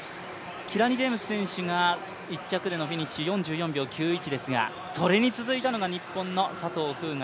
キラニ・ジェームス選手が１着でフィニッシュ４４秒９１ですがそれに続いたのが日本の佐藤風雅